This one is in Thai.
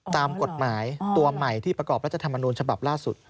ตามกฎหมายตัวใหม่ที่ประกอบรัฐธรรมนูญฉบับล่าสุด